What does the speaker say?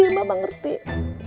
sekarang mama mau ke klinik